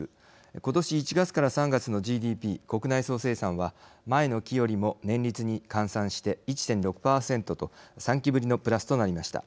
今年１月から３月のＧＤＰ＝国内総生産は前の期よりも年率に換算して１．６％と３期ぶりのプラスとなりました。